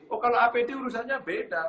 oh kalau apd urusannya beda